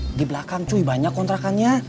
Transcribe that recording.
bagi belakang cuy banyak kontrakannya